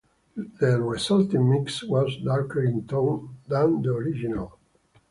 The resulting mix was darker in tone than the original.